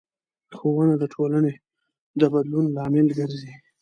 ښوونه د ټولنې د بدلون لامل ګرځي